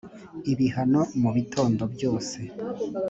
ibihano mu bitondo byose